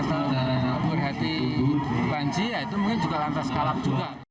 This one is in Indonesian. dan murhati banji ya itu mungkin juga lantas kalap juga